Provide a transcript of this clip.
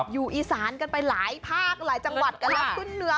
อยู่อีสานกันไปหลายภาคหลายจังหวัดกันแล้วขึ้นเหนือ